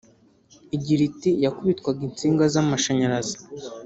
igira iti “Yakubitwaga insinga z’amashanyarazi